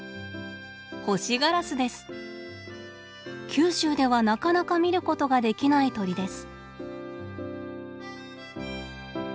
九州ではなかなか見ることができない鳥です。